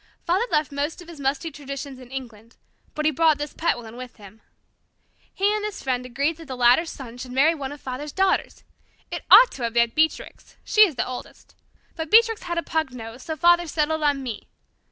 Father left most of his musty traditions in England, but he brought this pet one with him. He and this friend agreed that the latter's son should marry one of Father's daughters. It ought to have been Beatrix she is the oldest. But Beatrix had a pug nose. So Father settled on me.